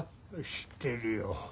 知ってるよ。